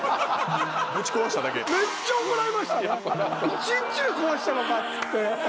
「１日で壊したのか」っつって。